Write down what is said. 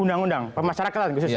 undang undang pemasarakatan khususnya